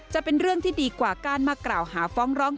จะเป็นเรื่องที่ดีกว่าการมากล่าวหาฟ้องร้อง